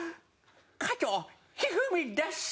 加藤一二三でっす。